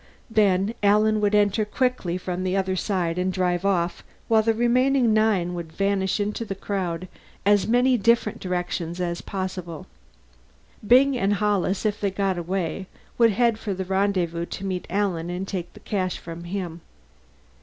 Then Alan would enter quickly from the other side and drive off, while the remaining nine would vanish into the crowd in as many different directions as possible. Byng and Hollis, if they got away, would head for the rendezvous to meet Alan and take the cash from him.